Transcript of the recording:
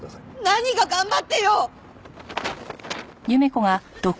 何が「頑張って」よ！